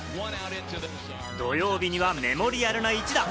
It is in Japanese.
土曜日にはメモリアルな一打。